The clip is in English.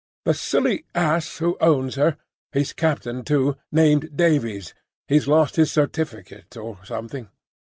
The silly ass who owns her,—he's captain too, named Davies,—he's lost his certificate, or something.